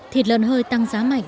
thịt lợn hơi tăng giá mạnh